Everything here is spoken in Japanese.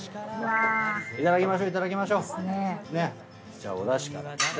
じゃおだしから。